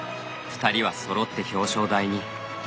２人はそろって表彰台に。